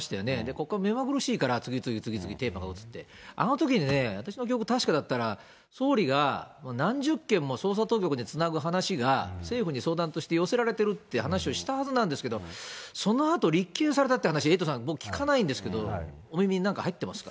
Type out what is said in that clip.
国会も目まぐるしいから、次々次々テーマが移って、あのときにね、私の記憶が確かだったら、総理が何十件も捜査当局でつなぐ話が、政府に相談として寄せられてるって話をしたはずなんですけど、そのあと、立件されたという話、エイトさん、僕聞かないんですけど、お耳に何か入ってます